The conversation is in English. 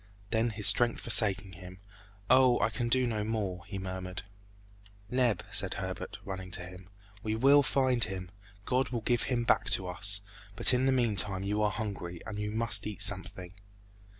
Then his strength forsaking him, "Oh! I can do no more!" he murmured. "Neb," said Herbert, running to him, "we will find him! God will give him back to us! But in the meantime you are hungry, and you must eat something."